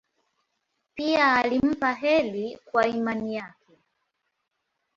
Pia alimpa heri kwa imani yake.